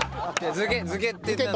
「漬け」って言ったんで。